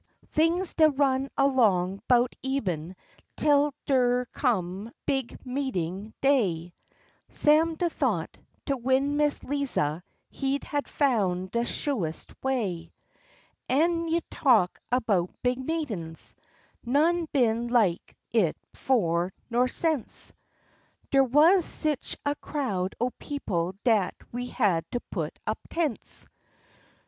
Things dey run along 'bout eben tel der come Big Meetin' day; Sam den thought, to win Miss Liza, he had foun' de shoest way. An' you talk about big meetin's! None been like it 'fore nor sence; Der wuz sich a crowd o' people dat we had to put up tents.